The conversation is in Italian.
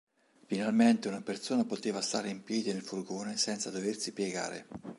Finalmente una persona poteva stare in piedi nel furgone senza doversi piegare.